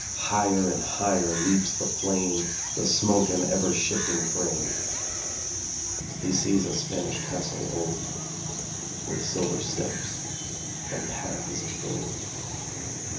Higher and higher leaps the flame, The smoke an ever shifting frame. He sees a Spanish Castle old, With silver steps and paths of gold.